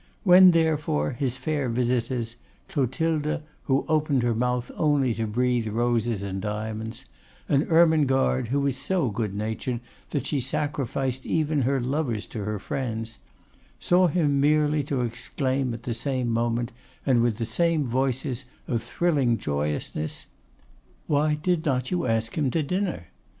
When, therefore, his fair visitors; Clotilde, who opened her mouth only to breathe roses and diamonds, and Ermengarde, who was so good natured that she sacrificed even her lovers to her friends; saw him merely to exclaim at the same moment, and with the same voices of thrilling joyousness, 'Why did not you ask him to dinner?